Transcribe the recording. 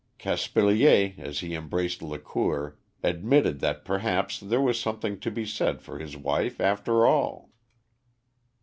Caspilier, as he embraced Lacour, admitted that perhaps there was something to be said for his wife after all.